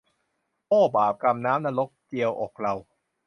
โอ้บาปกรรม น้ำนรก เจียวอกเรา